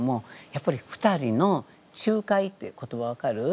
やっぱり２人の仲介って言葉分かる？